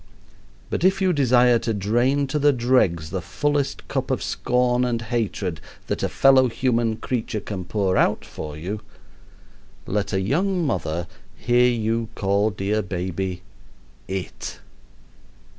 But if you desire to drain to the dregs the fullest cup of scorn and hatred that a fellow human creature can pour out for you, let a young mother hear you call dear baby "it."